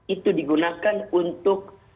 itu digunakan untuk